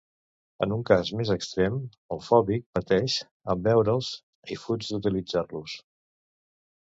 En un cas més extrem el fòbic pateix en veure'ls i fuig d'utilitzar-los.